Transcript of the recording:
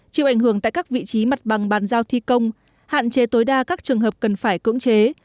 chịu ảnh hưởng tại các vị trí mặt bằng bàn giao thi công hạn chế tối đa các trường hợp cần phải cưỡng chế